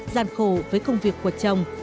gian khổ với công việc của chồng